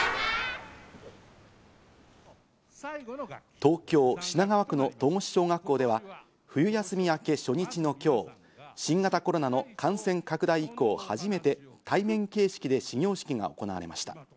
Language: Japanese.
東京・品川区の戸越小学校では、冬休み明け初日の今日、新型コロナの感染拡大以降初めて対面形式で始業式が行われました。